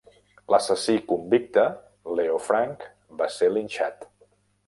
L'assassí convicte, Leo Frank, va ser linxat.